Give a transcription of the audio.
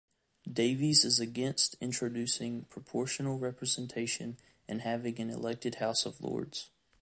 Davies is against introducing proportional representation and having an elected House of Lords.